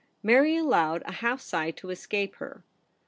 Mary allowed a half sigh to escape her.